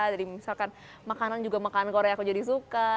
jadi misalkan makanan juga makanan korea aku jadi suka